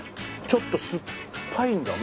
ちょっと酸っぱいんだ。